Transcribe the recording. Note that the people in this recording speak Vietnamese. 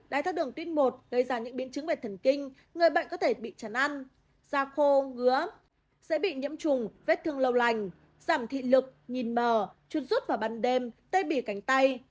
đáy thái đường tuyết một gây ra những biến chứng về thần kinh người bệnh có thể bị chắn ăn da khô ngứa sẽ bị nhiễm trùng vết thương lâu lành giảm thị lực nhìn mờ chuột rút vào ban đêm tê bỉ cánh tay